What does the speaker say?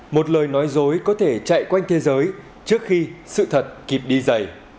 một lời nói dối có thể chạy quanh thế giới trước khi sự thật kịp đi dày